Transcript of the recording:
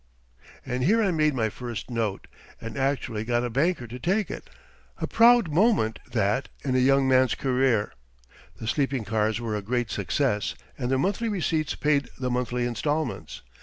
And here I made my first note, and actually got a banker to take it. A proud moment that in a young man's career! The sleeping cars were a great success and their monthly receipts paid the monthly installments.